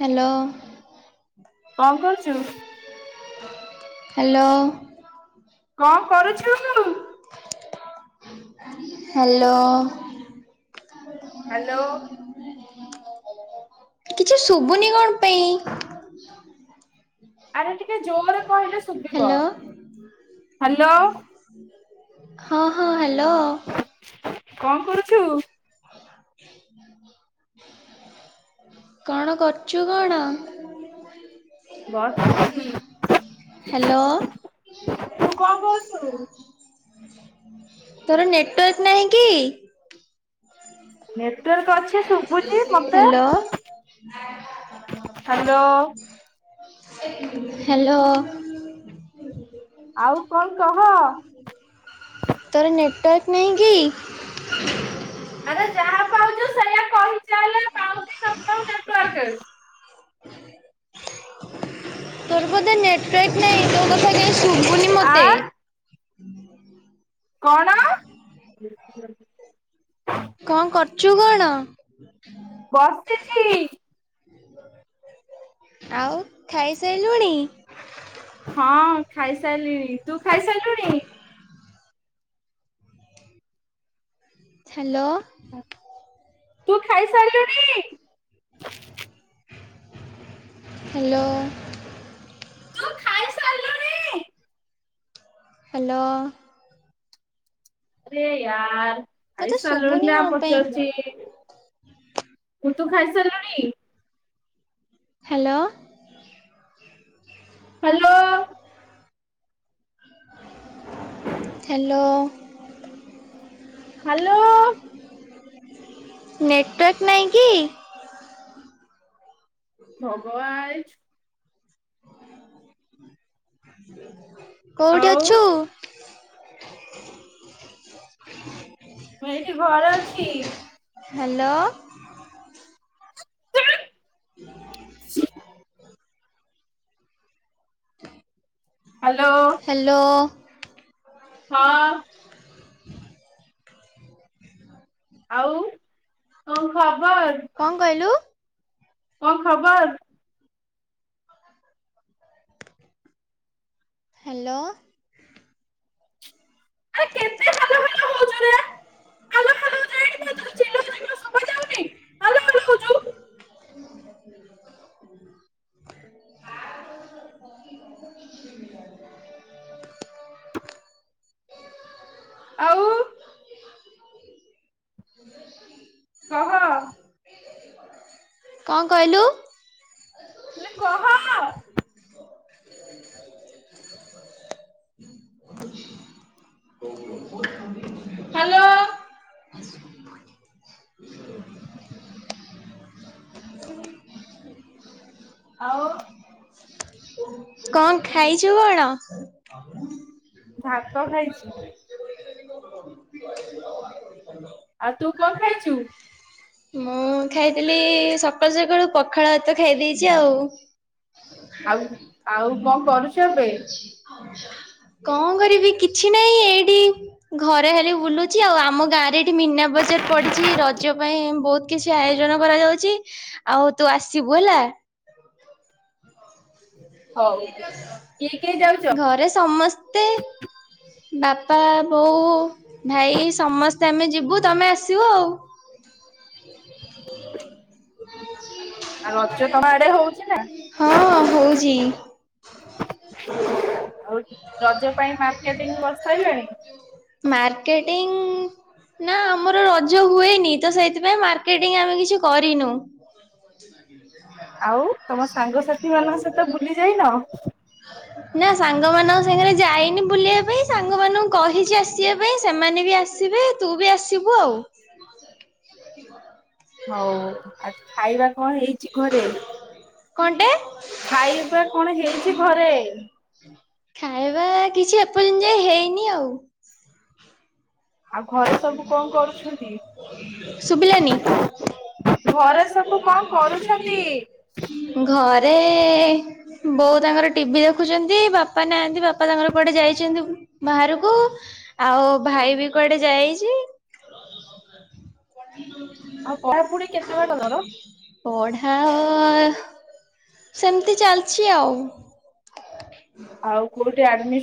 Hello. କଣ କରୁଚୁ? Hello. କଣ କରୁଛୁ? ହାଲୋ। ହାଲୋ। କିଛି ଶୁଭୁନି କଣ ପାଇଁ? ଆରେ ଟିକେ ଜୋରରେ କହିଲେ ଶୁବିବ ହ୍ୟାଲୋ ହାଲୋ। ହଁ ହଁ ହେ ଲୋ କଣ କରୁଛୁ? କଣ କରୁଚୁ କଣ? ବ ତୁ କଣ ହ୍ୟାଲୋ କରୁଛୁ? ତୋର ନେଟୱାର୍କ ନାହିଁ କି? ନେଟ୍ ତୋର ତ ଅଛି ଶୁଭୁଛି ମତେ ହ୍ୟାଲୋ ହ୍ୟାଲୋ। ହ୍ୟାଲୋ। ଆଉ କଣ କହ? ତ ନେଟ ହୁଁ କି? ସଜଆ କ [inaudible] ତୋର ବୋଧ ନେଟୱାର୍କ ନାହିଁ ତ ଶୁଭୁନି ଆ ମୋତେ। ହୁଁ। କଣ? ହଁ। କଣ କରୁଛୁ କଣ? ବସିଛି। ଆଉ ଖାଇସାରିଲୁଣି? ହଁ ଖାଇସାରିଲଣି ତୁ ଖାଇସାରିଲୁଣି। ହ୍ୟାଲୋ। ତୁ ଖାଇସାରିଲୁଣିି? ହ୍ୟାଲୋ। ତୁ ଖାଇସାରିଲୁଣି? ହ୍ୟାଲୋ। ଆରେ ୟାର୍ ଖାଇ ମତେ ସାରିଲୁଣି ଶୁଭୁନି ନା କଣ ପାଇଁ? ପଚାରୁଛି। ତୁ ଖାଇସଲୁଣି? ହାଲୋ। ହାଲୋ। ହ୍ୟାଲୋ। ହ। ଲୋ। ନେଟୱାର୍କ ନାହିଁ କି? ଭଗୱାଜ୍। [inaudible] କୋଉଠି ଆଉ ଅଛୁ? [inaudible] ମୁଁ ଏଇଠି ଘରେ ଅଛି। ହ୍ୟାଲୋ। Hello hello. ହ। ଆଉ କଣ ଖ କଣ କହିଲୁ? କଣ ଖବର? ହାଲୋ। ଆରେ କେତେ ବଲ ବଲ ହଉଚୁରେ, ହାଲୋ ହାଲୋ [unintelligible] କେତେ ଚିଲଉଚି ତୋତେ ଶୁଭାଯାଉନି ହାଲୋ ହାଲୋ ହଉଚୁ। [inaudible] ଆଉ। କହ? କଁ କହିଲୁ? ହିଲି କହ? [inaudible] ହାଲୋ। [inaudible] [inaudible] ଆଓ। କଁ ଖାଇଚୁ କଣ? ଭାତ ଖାାଇଚି। ଆଉ ତୁ କଣ ଖାଇଚୁ? ମୁଁ ଖାଇଥିଲି ସକାଳୁ ସକାଳୁ ପଖାଳ ହାତ ଖାଇ ଦେଇଚି ଆଉ। ଆଉ ଆଉ କଣ କରୁଚୁ ଏବେ? କଣ କରିବି କିଛି ନାହିଁ ଏଇଠି ଘରେ ହେଲି ବୁଲୁଚି। ଆଉ ଆମ ଗାଁ ରେ ଏଇଠି ମିନା ବଜାର ପଡିଛି ରଜ ପାଇଁ ବହୁତ କିଛି ଆୟୋଜନ କରାଯାଉଚି, ଆଉ ତୁ ଆସିବୁ ହେଲା। ହଉ କିଏ କିଏ ଯାଉଚ଼? ଘରେ ସମସ୍ତେ ବାପା, ବୋଉ, ଭାଇ ସମସ୍ତେ ଆମେ ଯିବୁ ତମେ ଆସିବ ଆଉ। ଆଉ ରଜ ତମ ଆଡେ ହଉଚି ନା? ହ। ହଉ। ରଜ ପାଇଁ ମାର୍କେଟିଂ ବସ ସାରିଲଣି? ମାର୍କେଟିଂ ନା ଆମର ରଜ ହୁଏନି ତ ସେଥିପାଇଁ ମାର୍କେଟିଂ ଆମେ କିଛି କରିନୁ। ଆଉ ତମ ସାଙ୍ଗସାଥି ମାନଙ୍କ ସହିତ ବୁଲି ଯାଇନ? ନା ସାଙ୍ଗମାନଙ୍କ ସାଙ୍ଗରେ ଯାଇନି ବୁଲିବା ପାଇଁ ସାଙ୍ଗମାନଙ୍କୁ କହିଚି ଆ ଆସିବା ପାଇଁ ସେମାନେ ବି ଆସିବେ ତୁ ବି ଆସିବୁ ଆଉ। ହଉ ଆ ଖାଇବା କଣ ହେଇଚି ଘରେ କଣଟେ ଖାଇବା କଣ ହେଇଚି ଘରେ? ଖାଇବା କିଛି ଏପର୍ଯ୍ୟତ ଯ ହେଇନି ଆଉ। ଆଉ ଘରେ ସବୁ କଣ କରୁଛନ୍ତି? ଶୁଭିଲାନି। ଘରେ ସବୁ କଣ କରୁଛନ୍ତି? ଘରେ ଏ ବୋଉ ତାଙ୍କର ଟିଭି ଦେଖୁଚନ୍ତି। ବାପା ନାହାନ୍ତି ବାପା ତାଙ୍କର କୁଆଡେ ଯାଇଚନ୍ତି ବାହାରକୁ, ଆଉ ଭାଇ ବି କୁଆଡେ ଯାଇଚି? ଆଉ ପଢାପଢି କେତେ ବାଟ ତମର? ପଢାଅ ସେମିତି ଚାଲିଛି ଆଉ।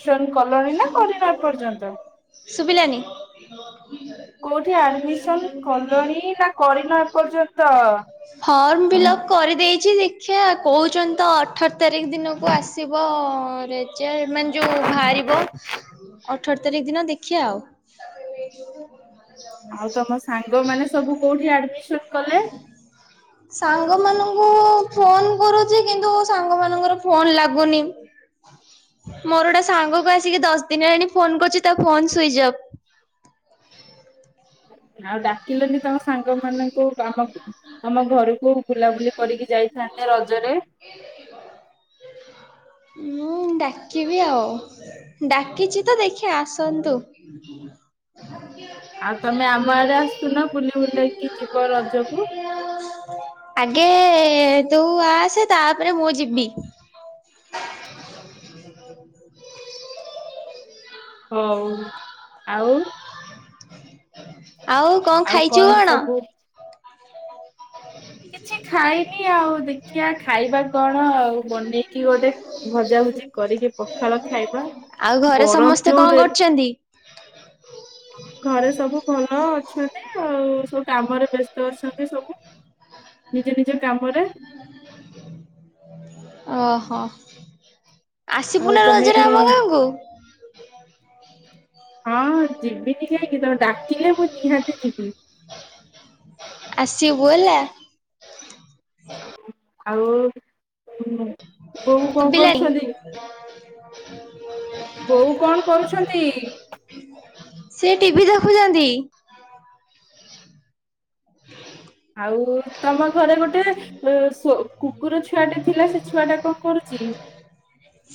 ଜଏନ କଲଣି ନା କରିନ ଏ ପର୍ଯ୍ୟନ୍ତ ଶୁଭିଲାନି କୋଉଠି ଆଡମି ମିସନ୍ କଲଣି ନା କରିନ ଏ ପର୍ଯ୍ୟନ୍ତ। ଫର୍ମ ଫି ଲପ କରିଦେଇଛି ଲେ ଦେଖିଆ କହୁଛନ୍ତି ତ ଅଠର ତାରିଖ ଦିନକୁ ଆସିବ ରେ ମାନେ ଯୋଉ ବାହାରିବ ଅଠର ତାରିଖ ଦିନ ଦେଖିବା ଆଉ। ଆଉ ତମ ସାଙ୍ଗମାନେ ସବୁ କୋଉଠି ଆଡମିସନ କଲେ? ସାଙ୍ଗ ମାନଙ୍କୁ ଫୋନ କରୁଛି କିନ୍ତୁ ସାଙ୍ଗ ମାନଙ୍କର ଫୋନ ଲାଗୁନି ମୋର ଗୋଟା ସାଙ୍ଗକୁ ଆସିକି ଦଶ ଦିନଲାଣି ଫୋନ କରୁଛି ତା ଫୋନ ସୁଇଚ ଅଫ୍। ଆଉ ଡାକିଲନି ତମ ସାଙ୍ଗ ମାନ ଆମ ଘରକୁ ବୁଲାବୁଲି କରିକି ଯାଇଥାନ୍ତେ ରଜରେ। ହଁ ଡାକିବି ଆଉ ଡାକିଚ ତ ଦେଖିବା ଆସନ୍ତୁ। ଆଉ ତମେ ଆମ ଆଡେ ଆସୁନ ବୁଲି ବୁଲେଇକି ଯିବ ରଜକୁ। ଆଗେ ତୁ ଆସ ତାପରେ ମୁଁ ଯିବି। ହଉ ଆଉ। ଆଉ କଣ ଆଉ ଖାଇଛୁ କଣ? ସବୁ କିଛି ଖାଇନି ଆଉ ଦେଖିବା ଖାଇବାକୁ କଣ ଆଉ ବନେଇକି ଗୋଟେ ଭଜା ଭଜି କରିକି ପଖାଳ ଖାଇବା ଆଉ ଘରେ ଗରମ ସମସ୍ତେ ଯୋଉ କଣ ରେ କରୁଛନ୍ତି? ହ ଘରେ ସବୁ ଭଲ ଅଛନ୍ତି ଆଉ ସବୁ କାମରେ ବ୍ୟସ୍ତ ଅଛନ୍ତି ସବୁ ନିଜ ନିଜ କାମରେ। ଓହୋ। ଆଉ ଆସିବୁନା ରଜରେ ଆମ ତମେ ଗାଁକୁ? ହଁ ଯିବିନି କାହିଁକି ତମ ଡାକିଲେ ମୁଁ ନିହାତି ଯିବି। ଆସିବୁ ହେଲା। ହ ଆଉ ହୁ ବୋଉ କଣ ଶୁଭିଲାଣି। କରୁଛନ୍ତି? [unintelligible] ବୋଉ କଣ କରୁଛନ୍ତି? ସେ ଟିଭିି ଦେଖୁଛନ୍ତି। ଆଉ ତମ ଘରେ ଗୋଟେ ସ କୁକୁର ଛୁଆ ଟା ଥିଲା ସେ ଛୁଆ ଟା କଣ କରୁଚି?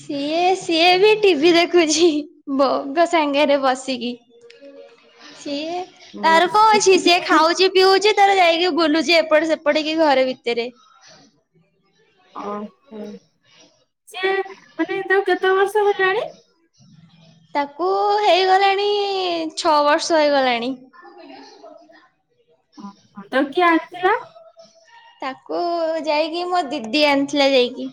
ସିଏ ସିଏ ବି ଟିଭି ଦେଖୁଛି ବୋଉ ଙ୍କ ସାଙ୍ଗରେ ବସିକି। ସିଏ ଅ, ତାର କଣ ଅଛି ବି ସିଏ ଟିଭି ଦେଖୁ ଖାଉଛି ପିଉଛି ତାର ଯାଇ କି ବୁଲୁଛି ଏପଟେ ସେପଟ ହେଇକି ଘର ଭିତରେ ସେ ମାନେ ତା କେ ତାକୁ କେତେ ବର୍ଷ ହେଲାଣି? କୁ ହେଇଗଲାଣି ଛଅ ବର୍ଷ ହେଇଗଲାଣି। ଓ ତ କିଏ ଆଣିଥିଲା? ତାକୁ ଯାଇକି ମୋ ଦିଦି ଆଣିଥିଲା ଯାଇକି।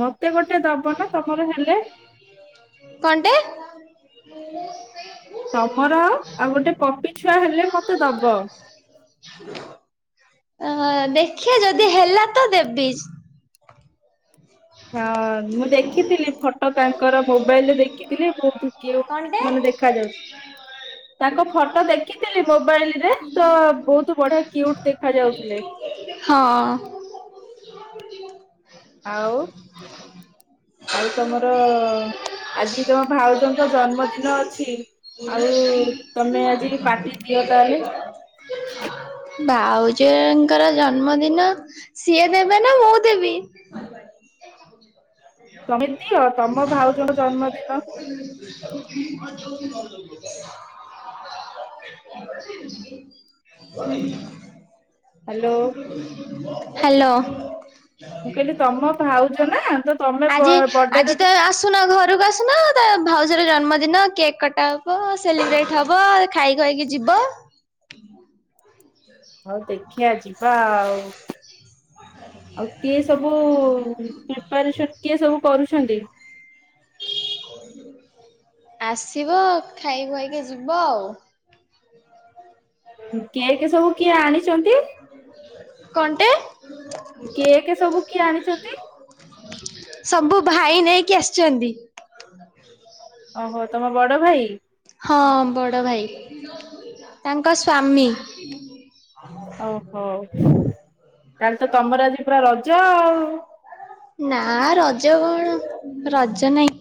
ମତେ ଗୋଟେ ଗୋଟେ ଦବ ନା ତମର ହେଲେ? କଣଟେ ତମର ଆଉ ଗୋଟେ ପପି ଛୁଆ ହେଲେ ମତେ ଦବ। ଅ ଦେଖିବା ଯଦି ହେଲା ତ ଦେବି। ହଁ ମୁଁ ଦେଖିଥିଲି ଫଟୋ ତାଙ୍କର ମୋବାଇଲ ରେ ଦେଖିଥିଲି ବହୁତ କ୍ୟୁଟ୍ ମାନେ ଦେଖାଯାଉ ତାଙ୍କ ଫଟୋ ଦେଖିଥିଲି ମୋବାଇଲରେ ତ ବହୁତ ବଢିଆ କ୍ୟୁଟ୍ ଦେଖା ଯାଉଥିଲେ ହଁ। ଆଉ। ଆଉ ତମର ଆଜି ତମ ଭାଉଜଙ୍କ ଜନ୍ମଦିନ ଅଛି ଆଉ ତମେ ଆଜି ପାର୍ଟି ଦିଅ ତାହେଲେ। ଭାଉଜ ଙ୍କର ଜନ୍ମଦିନ ସିଏ ଦେବେ ନା ମୁଁ ଦେବି? ତମେ ଦିଅ ତମ ଭାଉଜଙ୍କ ଜନ୍ମଦିନ ହ୍ୟାଲୋ ହ୍ୟାଲୋ। ମୁଁ କହିଲି ତମ ଭାଉଜ ନା ତ ତମେ ଆଜି ବର୍ଡେରେ ଆଜି ତ ଆସୁନ ଘରକୁ ଆସୁନ ତ ଭାଉଜର ଜନ୍ମଦିନ କେକ୍ କଟା ହବ ସେଲିବ୍ରେଟ ହବ ଖାଇ ଖୁଆକି ଯିବ। ଦେଖିଆ ଯିବା ଆଉ। ଆଉ କିଏ ସବୁ ପ୍ରିପାରେସନ୍ କିଏ ସବୁ କରୁଚନ୍ତି? ଆସିବ ଖାଇ ଖୁଆଇକି ଯିବ ଆଉ। କେକ୍ ସବୁ କିଏ ଆଣିଚନ୍ତି? କଣ୍ଟେ? କେକ୍ ସବୁ କିଏ ଆଣିଚନ୍ତି? ସବୁ ଭାଇ ନେଇକି ଆସିଚନ୍ତି। ଓହୋ ତମ ବଡ ଭାଇ? ହଁ ବଡ଼ ଭାଇ ତାଙ୍କ ସ୍ୱାମୀ। ତାହାଲେ ତ ତମର ଆଜି ପୁରା ରଜ ଆଉ। ନା ରଜ କଣ ରଜ ନାଇଁ।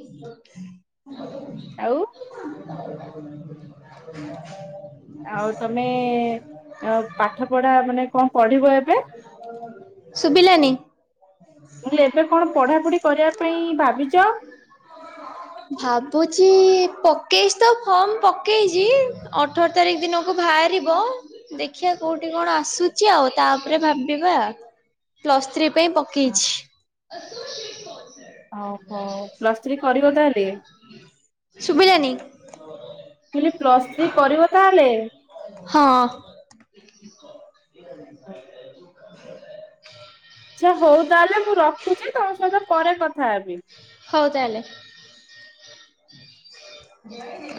ଆଉ ଆଉ, ତମେ ପାଠ ପଢା ମାନେ କଣ ପଢିବ, ଏବେ। ଶୁଭିଲାନି। ମୁଁ, ଏବେ କଣ, ପଢାପଢି କରିବା ପାଇଁ ଭାବିଛ। ଭାବୁଛି ପକେଇଛି, ତ ଫର୍ମ ପକେଇଛି, ଅଠର ତାରିଖ ଦିନକୁ ବାହାରିବ, ଦେଖିବା କୋଉଠି କଣ ଆସୁଛି, ଆଉ ତାପରେ ଭାବିବା, ପ୍ଲସ ଥ୍ରୀ ପାଇଁ ପକେଇଛି। ଓହୋ, ପ୍ଲସ୍ ଥ୍ରି କରିବ ତାହେଲେ, ମୁଁ ଶୁଭିଲାନି କହିଲି, ପ୍ଲସ ଥ୍ରି କରିବ ତାହେଲେ। ହଁ ହଉ [inaudible] ହଁ [inaudible] ହ [inaudible] ଆଚ୍ଛା, ହଉ ତାହେଲେ, ମୁଁ ରଖୁଛି, ତମ ସହିତ ପରେ କଥା ହେବି। ତାହେଲେ। ହ [inaudible]